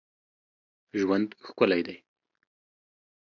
ژوند ښکلی دی